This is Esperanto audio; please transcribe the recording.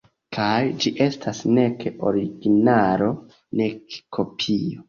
Kaj ĝi estas nek originalo, nek kopio.